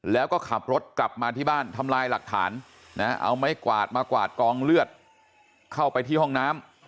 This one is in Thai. แล้วก็ขับรถกลับมาที่บ้านทำลายหลักฐานนะเอาไม้กวาดมากวาดกองเลือดเข้าไปที่ห้องน้ำ